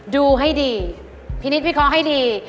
ดูให้ดีพี่นิทพี่เคาะให้ดี